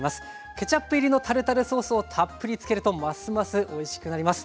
ケチャップ入りのタルタルソースをたっぷりつけるとますますおいしくなります。